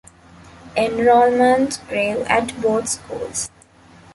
Enrollments grew at both schools.